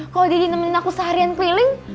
kalo dedi nemenin aku seharian keliling